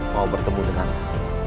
mau bertemu denganmu